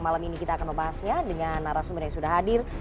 malam ini kita akan membahasnya dengan narasumber yang sudah hadir